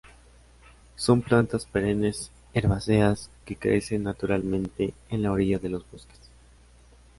Son plantas perennes herbáceas que crecen naturalmente en la orilla de los bosques.